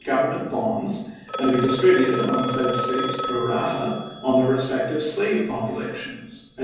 Government bonds, and to be distributed among said States pro rata on their respective slave populations as 134 ABRAHAM LINCOLN chap.